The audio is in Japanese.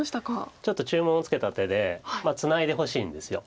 ちょっと注文をつけた手でツナいでほしいんです。